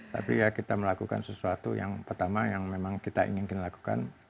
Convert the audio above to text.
tapi ya kita melakukan sesuatu yang pertama yang memang kita inginkan lakukan